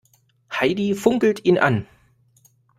Heidi funkelt ihn an.